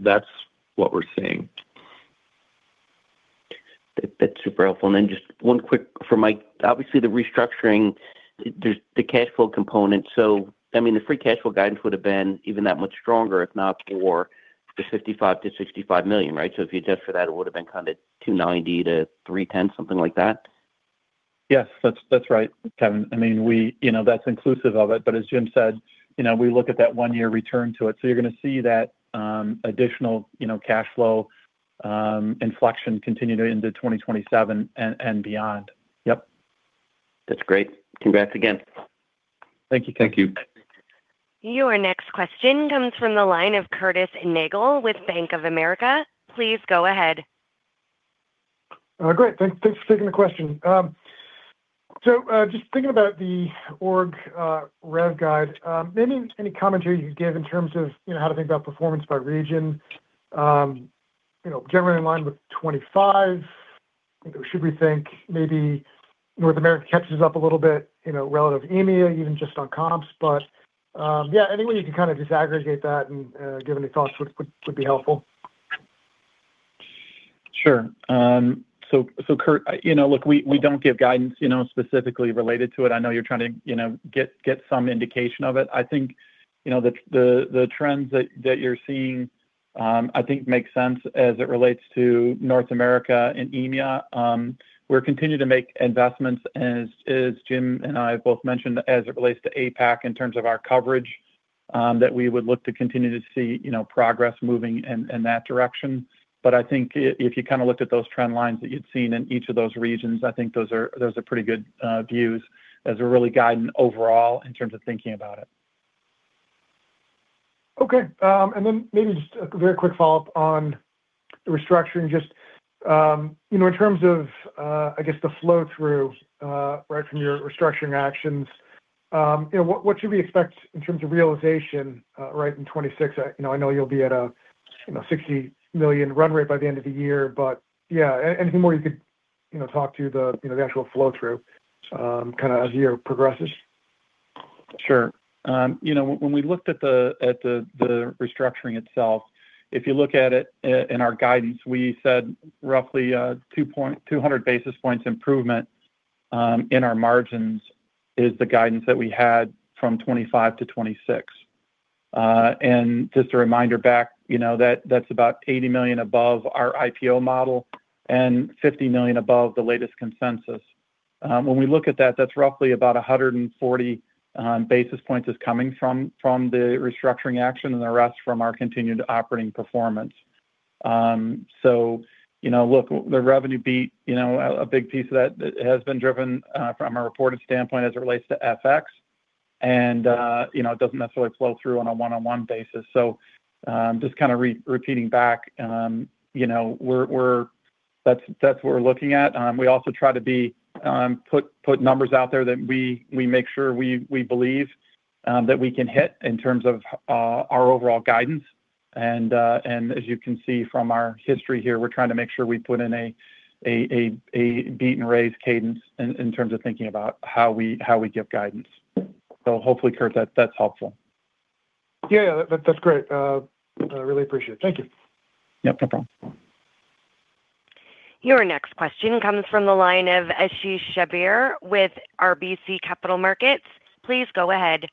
That's what we're seeing. That's super helpful. Just one quick for Mike. Obviously, the restructuring, there's the cash flow component. I mean, the free cash flow guidance would have been even that much stronger, if not for the $55 million-$65 million, right? If you adjust for that, it would have been kind of $290 million-$310 million, something like that? Yes, that's right, Kevin. I mean, we, you know, that's inclusive of it. As Jim said, you know, we look at that one-year return to it. You're going to see that additional, you know, cash flow inflection continue into 2027 and beyond. Yep. That's great. Congrats again. Thank you. Thank you. Your next question comes from the line of Curtis Nagle with Bank of America. Please go ahead. Great. Thanks, thanks for taking the question. Just thinking about the org rev guide, any commentary you'd give in terms of, you know, how to think about performance by region? You know, generally in line with 25, or should we think maybe North America catches up a little bit, you know, relative to EMEA, even just on comps? Yeah, any way you can kind of disaggregate that and give any thoughts would be helpful. Sure. Curt, you know, look, we don't give guidance, you know, specifically related to it. I know you're trying to, you know, get some indication of it. I think, you know, the trends that you're seeing, I think makes sense as it relates to North America and EMEA. We're continuing to make investments, as Jim and I both mentioned, as it relates to APAC, in terms of our coverage, that we would look to continue to see, you know, progress moving in that direction. I think if you kind of looked at those trend lines that you'd seen in each of those regions, I think those are pretty good views as we're really guiding overall in terms of thinking about it. Okay. Then maybe just a very quick follow-up on the restructuring. Just, you know, in terms of, I guess, the flow-through, right, from your restructuring actions, you know, what should we expect in terms of realization, right, in 2026? You know, I know you'll be at a, you know, $60 million run rate by the end of the year, but yeah, anything more you could, you know, talk to the, you know, the actual flow-through, kind of as the year progresses? Sure. You know, when we looked at the restructuring itself, if you look at it in our guidance, we said roughly 200 basis points improvement in our margins is the guidance that we had from 2025 to 2026. Just a reminder back, you know, that that's about $80 million above our IPO model and $50 million above the latest consensus. When we look at that's roughly about 140 basis points is coming from the restructuring action and the rest from our continued operating performance. You know, look, the revenue beat, you know, a big piece of that has been driven from a reported standpoint as it relates to FX, and you know, it doesn't necessarily flow through on a one-on-one basis. Just kind of repeating back, you know, that's what we're looking at. We also try to put numbers out there that we make sure we believe that we can hit in terms of our overall guidance. As you can see from our history here, we're trying to make sure we put in a beat-and-raise cadence in terms of thinking about how we give guidance. Hopefully, Curt, that's helpful. Yeah, that's great. I really appreciate it. Thank you. Yep, no problem. Your next question comes from the line of Ashish Sabadra with RBC Capital Markets. Please go ahead.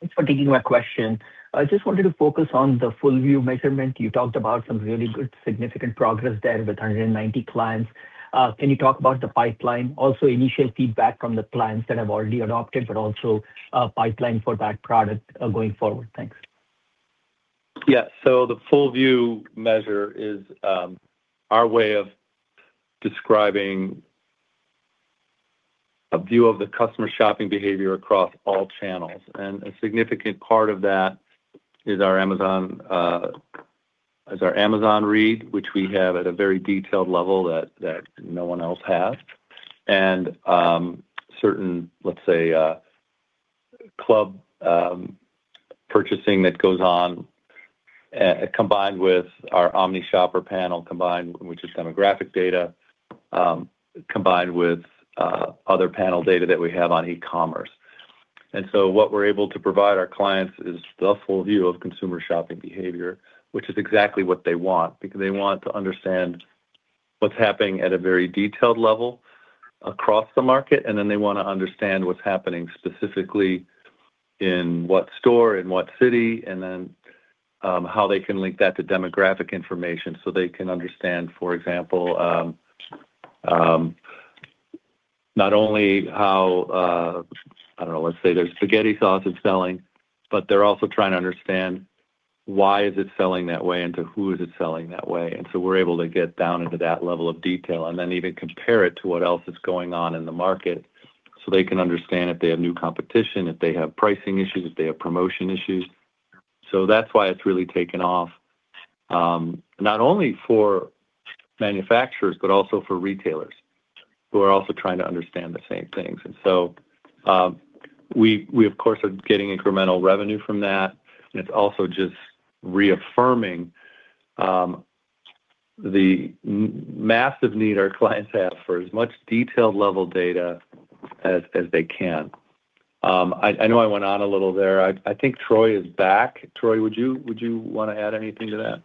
Thanks for taking my question. I just wanted to focus on the Full View Measurement. You talked about some really good significant progress there with 190 clients. Can you talk about the pipeline, also initial feedback from the clients that have already adopted, but also, pipeline for that product, going forward? Thanks. Yeah. The Full View Measurement is our way of. A view of the customer shopping behavior across all channels. A significant part of that is our Amazon read, which we have at a very detailed level that no one else has, certain, let's say, club purchasing that goes on, combined with our Omnishopper panel, which is demographic data, combined with other panel data that we have on e-commerce. What we're able to provide our clients is the Full View of consumer shopping behavior, which is exactly what they want, because they want to understand what's happening at a very detailed level across the market, they want to understand what's happening specifically in what store, in what city, how they can link that to demographic information. They can understand, for example, not only how, I don't know, let's say their spaghetti sauce is selling, but they're also trying to understand why is it selling that way, and to who is it selling that way? We're able to get down into that level of detail and then even compare it to what else is going on in the market, so they can understand if they have new competition, if they have pricing issues, if they have promotion issues. That's why it's really taken off, not only for manufacturers, but also for retailers who are also trying to understand the same things. We, we, of course, are getting incremental revenue from that, and it's also just reaffirming the massive need our clients have for as much detailed level data as they can. I know I went on a little there. I think Troy is back. Troy, would you want to add anything to that?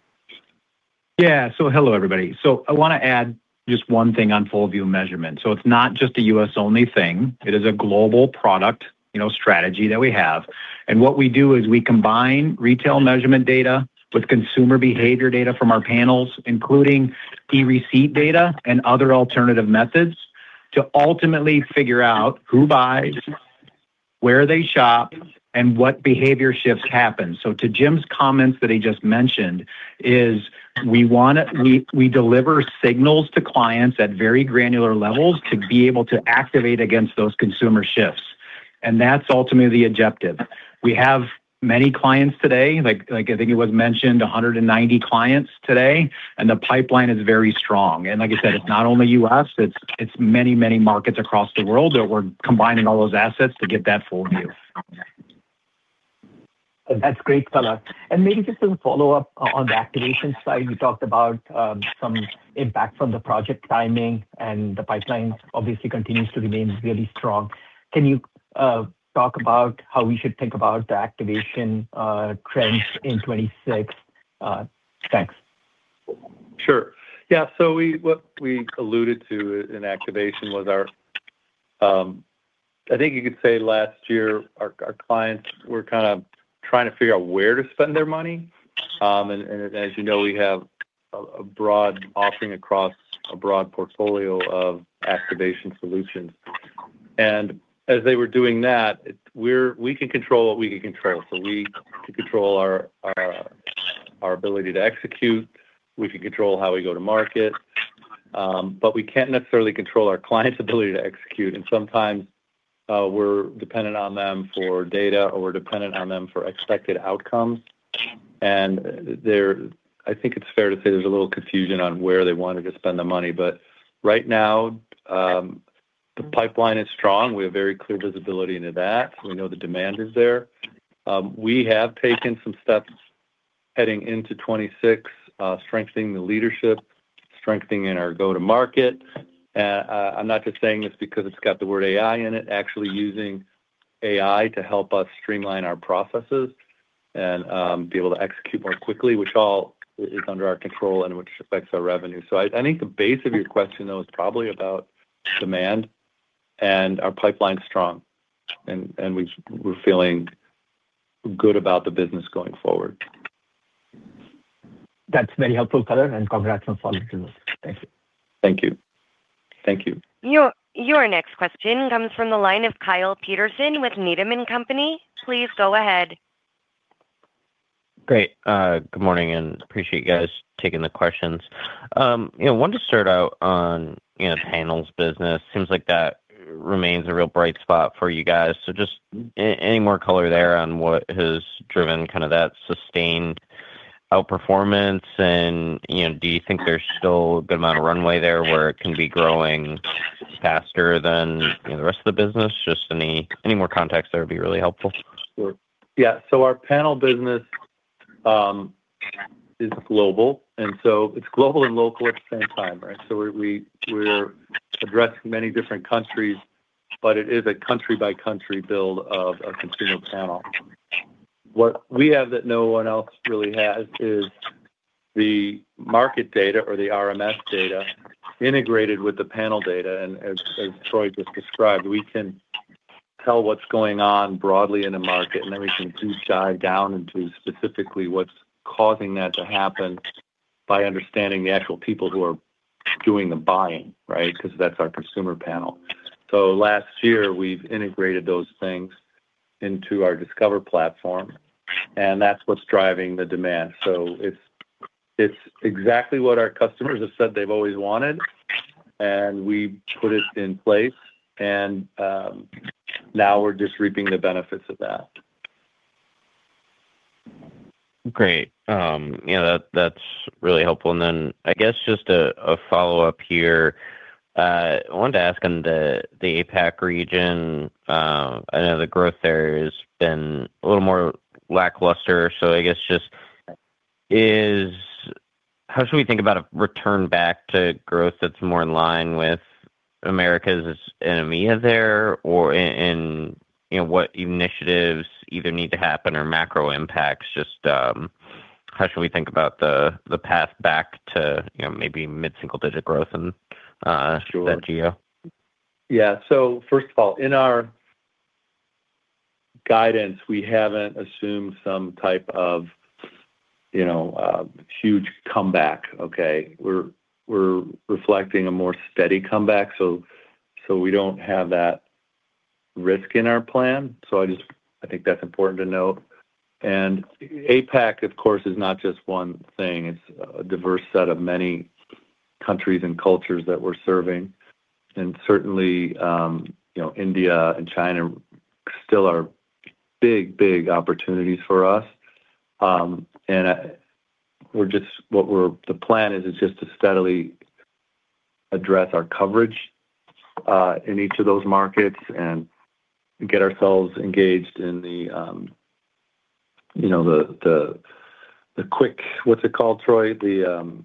Yeah. Hello, everybody. I wanna add just one thing on Full View Measurement. It's not just a U.S.-only thing, it is a global product, you know, strategy that we have. What we do is we combine retail measurement data with consumer behavior data from our panels, including e-receipt data and other alternative methods, to ultimately figure out who buys, where they shop, and what behavior shifts happen. To Jim's comments that he just mentioned is we deliver signals to clients at very granular levels to be able to activate against those consumer shifts. That's ultimately the objective. We have many clients today, like I think it was mentioned, 190 clients today, and the pipeline is very strong. Like I said, it's not only U.S., it's many markets across the world that we're combining all those assets to get that Full View. That's great, fella. Maybe just to follow up on the activation side, you talked about some impact from the project timing, and the pipeline obviously continues to remain really strong. Can you talk about how we should think about the activation trends in 2026? Thanks. Sure. Yeah, what we alluded to in activation was our, I think you could say last year, our clients were kind of trying to figure out where to spend their money. As you know, we have a broad offering across a broad portfolio of activation solutions. As they were doing that, we can control what we can control. We can control our ability to execute, we can control how we go to market, but we can't necessarily control our clients' ability to execute. Sometimes, we're dependent on them for data, or we're dependent on them for expected outcomes. There, I think it's fair to say there's a little confusion on where they wanted to spend the money, but right now, the pipeline is strong. We have very clear visibility into that. We know the demand is there. We have taken some steps heading into 26, strengthening the leadership, strengthening in our go-to-market. I'm not just saying this because it's got the word AI in it, actually using AI to help us streamline our processes and be able to execute more quickly, which all is under our control and which affects our revenue. I think the base of your question, though, is probably about demand and our pipeline's strong, and we're feeling good about the business going forward. That's very helpful color, and congrats on follow through. Thank you. Thank you. Thank you. Your next question comes from the line of Kyle Peterson with Needham & Company. Please go ahead. Great. Good morning. Appreciate you guys taking the questions. You know, wanted to start out on, you know, the panels business. Seems like that remains a real bright spot for you guys. Just any more color there on what has driven kind of that sustained outperformance. You know, do you think there's still a good amount of runway there where it can be growing faster than, you know, the rest of the business? Just any more context there would be really helpful. Sure. Yeah. Our panel business is global, and it's global and local at the same time, right? We're addressing many different countries, but it is a country-by-country build of our consumer panel. What we have that no one else really has is the market data or the RMS data integrated with the panel data, and as Troy just described, we can tell what's going on broadly in the market, and then we can deep dive down into specifically what's causing that to happen by understanding the actual people who are doing the buying, right? Because that's our consumer panel. Last year, we've integrated those things into our Discover platform, and that's what's driving the demand. It's exactly what our customers have said they've always wanted, and we put it in place, and, now we're just reaping the benefits of that. Great. Yeah, that's really helpful. I guess just a follow-up here. I wanted to ask on the APAC region, I know the growth there has been a little more lackluster. I guess how should we think about a return back to growth that's more in line with Americas and EMEA there, or, you know, what initiatives either need to happen or macro impacts, how should we think about the path back to, you know, maybe mid-single-digit growth in that geo? First of all, in our guidance, we haven't assumed some type of, you know, huge comeback, okay? We're reflecting a more steady comeback, so we don't have that risk in our plan. I think that's important to note. APAC, of course, is not just one thing. It's a diverse set of many countries and cultures that we're serving. Certainly, you know, India and China still are big, big opportunities for us. The plan is just to steadily address our coverage in each of those markets and get ourselves engaged in the, you know, the, the quick... What's it called, Troy? The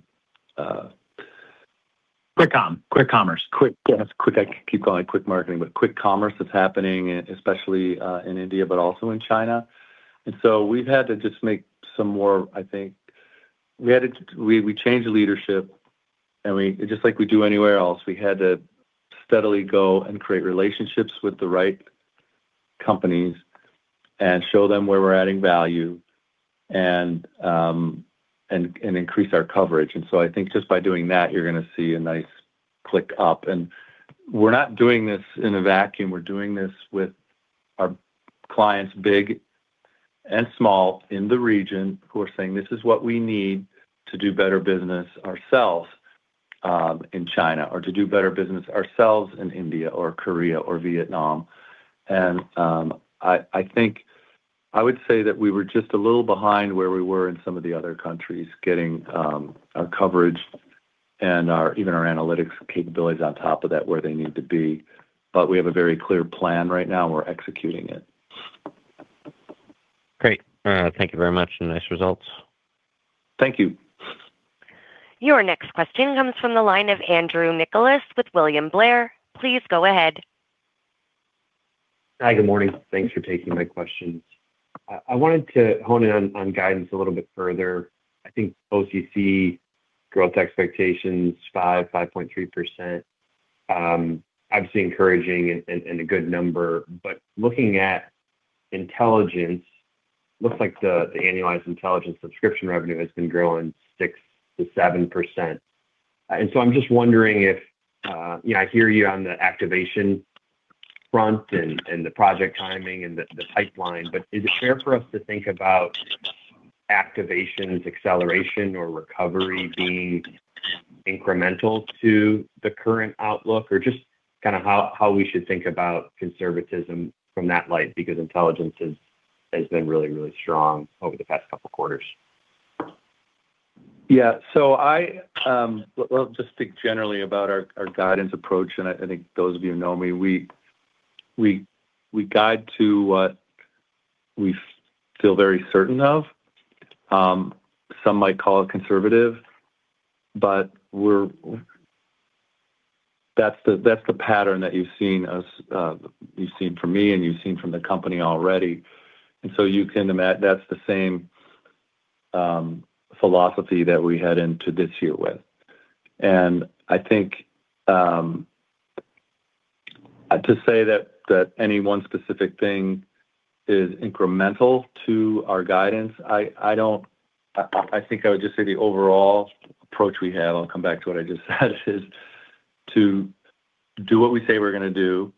Quick com, quick commerce. Quick, yes, quick. I keep calling it quick marketing, but quick commerce that's happening, especially in India, but also in China. We've had to just make some more, I think we had to we changed the leadership, and just like we do anywhere else, we had to steadily go and create relationships with the right companies and show them where we're adding value and increase our coverage. I think just by doing that, you're gonna see a nice click-up. We're not doing this in a vacuum. We're doing this with our clients, big and small, in the region, who are saying, "This is what we need to do better business ourselves, in China, or to do better business ourselves in India, or Korea, or Vietnam." I think I would say that we were just a little behind where we were in some of the other countries, getting, our coverage and our, even our analytics capabilities on top of that, where they need to be. We have a very clear plan right now, and we're executing it. Great. Thank you very much, and nice results. Thank you. Your next question comes from the line of Andrew Nicholas with William Blair. Please go ahead. Hi, good morning. Thanks for taking my questions. I wanted to hone in on guidance a little bit further. I think OCC growth expectations, 5.3%, obviously encouraging and a good number. Looking at Intelligence, looks like the Annualized Intelligence Subscription revenue has been growing 6%-7%. I'm just wondering if you know, I hear you on the activation front and the project timing and the pipeline, but is it fair for us to think about activations, acceleration, or recovery being incremental to the current outlook? Just kind of how we should think about conservatism from that light, because Intelligence has been really strong over the past couple of quarters. Yeah. Well, I'll just think generally about our guidance approach, and I think those of you who know me, we guide to what we feel very certain of. Some might call it conservative, but that's the pattern that you've seen us, you've seen from me, and you've seen from the company already. That's the same philosophy that we head into this year with. I think to say that any one specific thing is incremental to our guidance, I think I would just say the overall approach we have, I'll come back to what I just said, is to do what we say we're gonna do.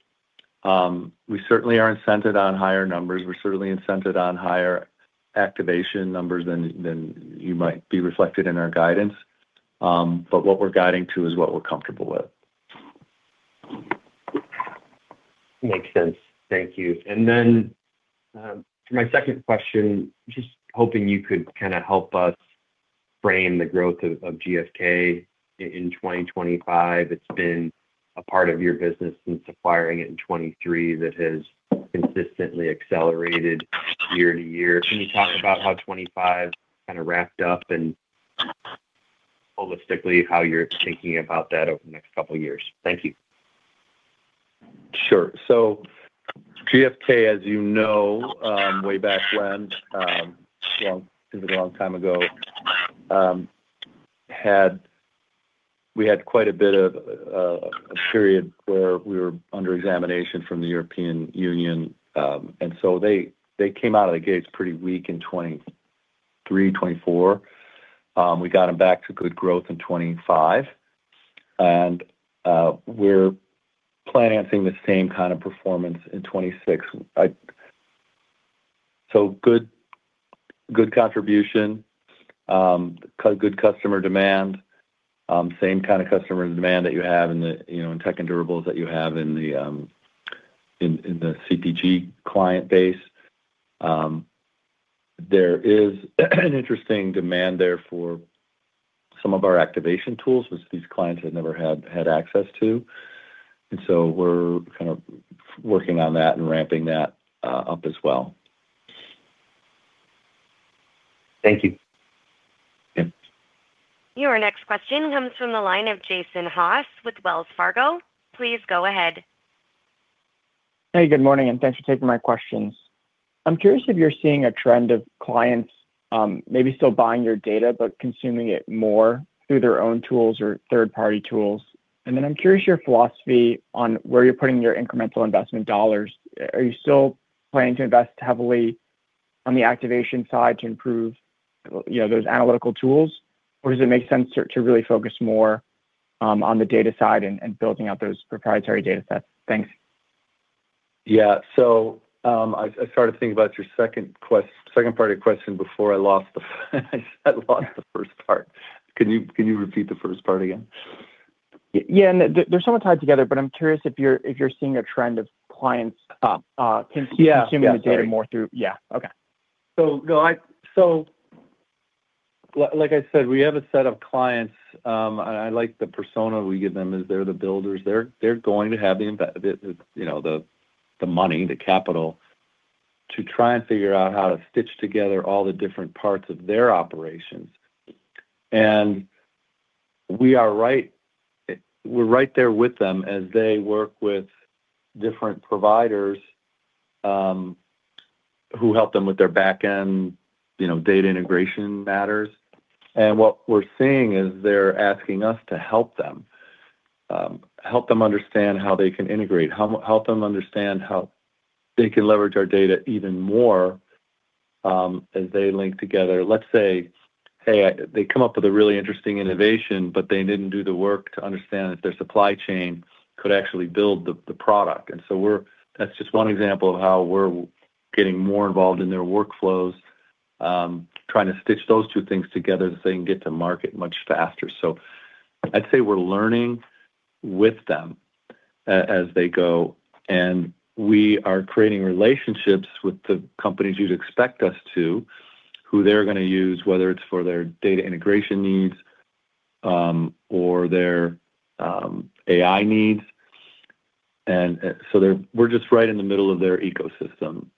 We certainly are incented on higher numbers. We're certainly incented on higher activation numbers than you might be reflected in our guidance. What we're guiding to is what we're comfortable with. Makes sense. Thank you. Then, for my second question, just hoping you could kind of help us frame the growth of GfK in 2025. It's been a part of your business since acquiring it in 2023. That has consistently accelerated year-to-year. Can you talk about how 2025 kind of wrapped up and holistically, how you're thinking about that over the next couple of years? Thank you. Sure. GfK, as you know, way back when, long, it was a long time ago, we had quite a bit of a period where we were under examination from the European Union, they came out of the gates pretty weak in 2023, 2024. We got them back to good growth in 2025, we're planning on seeing the same kind of performance in 2026. Good, good contribution, good customer demand. Same kind of customer demand that you have in the, you know, in tech and durables that you have in the, in the CPG client base. There is an interesting demand there for some of our activation tools, which these clients have never had access to, and so we're kind of working on that and ramping that up as well. Thank you. Yeah. Your next question comes from the line of Jason Haas with Wells Fargo. Please go ahead. Hey, good morning, and thanks for taking my questions. I'm curious if you're seeing a trend of clients, maybe still buying your data, but consuming it more through their own tools or third-party tools. I'm curious your philosophy on where you're putting your incremental investment dollars. Are you still planning to invest heavily on the activation side to improve, you know, those analytical tools, or does it make sense to really focus more on the data side and building out those proprietary data sets? Thanks. Yeah. I started thinking about your second part of your question before I lost the first part. Can you repeat the first part again? Yeah, they're somewhat tied together, but I'm curious if you're seeing a trend of clients. Yeah. Consuming the data more through... Yeah. Okay. No, like I said, we have a set of clients, and I like the persona we give them is they're the builders. They're going to have the, you know, the money, the capital to try and figure out how to stitch together all the different parts of their operations. We're right there with them as they work with different providers, who help them with their back end, you know, data integration matters. What we're seeing is they're asking us to help them. Help them understand how they can integrate, help them understand how they can leverage our data even more, as they link together. Let's say, hey, they come up with a really interesting innovation, but they didn't do the work to understand if their supply chain could actually build the product. That's just one example of how we're getting more involved in their workflows, trying to stitch those two things together so they can get to market much faster. I'd say we're learning with them as they go, and we are creating relationships with the companies you'd expect us to, who they're gonna use, whether it's for their data integration needs, or their AI needs. We're just right in the middle of their ecosystem,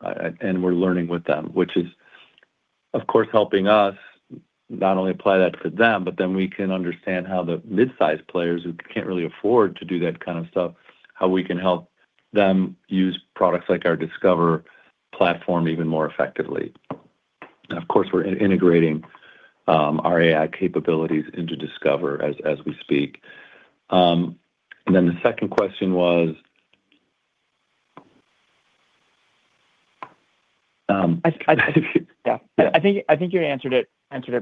and we're learning with them, which is, of course, helping us not only apply that for them, we can understand how the mid-sized players who can't really afford to do that kind of stuff, how we can help them use products like our Discover platform even more effectively. Of course, we're integrating our AI capabilities into Discover as we speak. The second question was? Yeah. Yeah. I think you answered it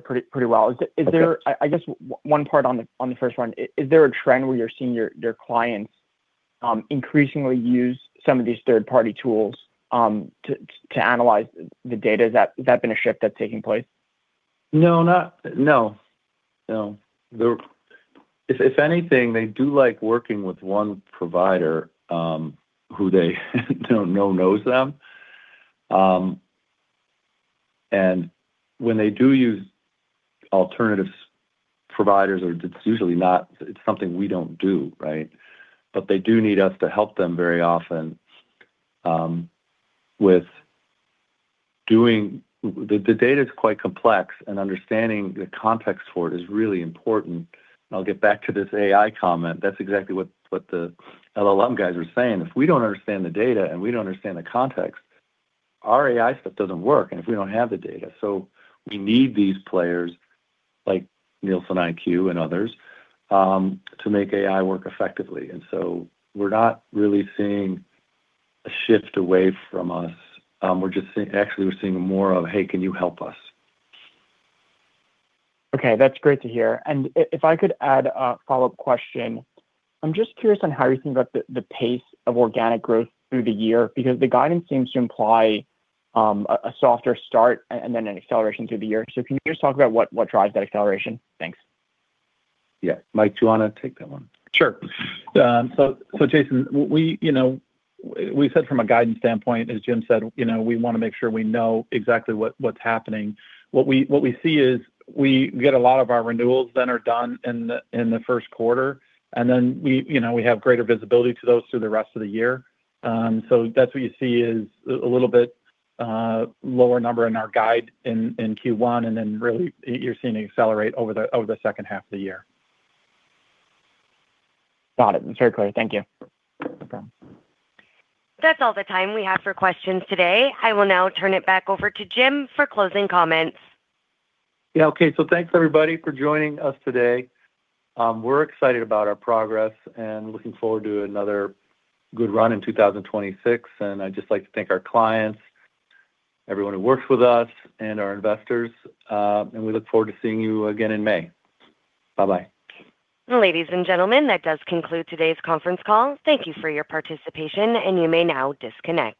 pretty well. Okay. Is there... I guess one part on the first one, is there a trend where you're seeing your clients increasingly use some of these third-party tools to analyze the data? Has that been a shift that's taking place? No, not... No. No. The... If, if anything, they do like working with one provider, who they know knows them. When they do use alternative providers or it's usually not, it's something we don't do, right? They do need us to help them very often, with doing... The data is quite complex, and understanding the context for it is really important. I'll get back to this AI comment. That's exactly what the LLM guys are saying. If we don't understand the data, and we don't understand the context, our AI stuff doesn't work, and if we don't have the data. We need these players, like NielsenIQ and others, to make AI work effectively. We're not really seeing a shift away from us. Actually, we're seeing more of, "Hey, can you help us? Okay, that's great to hear. If I could add a follow-up question. I'm just curious on how you think about the pace of organic growth through the year, because the guidance seems to imply a softer start and then an acceleration through the year. Can you just talk about what drives that acceleration? Thanks. Yeah. Mike, do you want to take that one? Sure. Jason, we, you know, we said from a guidance standpoint, as Jim said, you know, we want to make sure we know exactly what's happening. We see we get a lot of our renewals that are done in the first quarter, and then we have greater visibility to those through the rest of the year. That's what you see is a little bit lower number in our guide in Q1, and then really, you're seeing it accelerate over the second half of the year. Got it. It's very clear. Thank you. No problem. That's all the time we have for questions today. I will now turn it back over to Jim for closing comments. Yeah, okay. Thanks, everybody, for joining us today. We're excited about our progress and looking forward to another good run in 2026. I'd just like to thank our clients, everyone who works with us, and our investors. We look forward to seeing you again in May. Bye-bye. Ladies and gentlemen, that does conclude today's conference call. Thank you for your participation, and you may now disconnect.